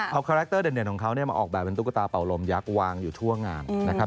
เอาคาแรคเตอร์เด่นของเขามาออกแบบเป็นตุ๊กตาเป่าลมยักษ์วางอยู่ทั่วงานนะครับ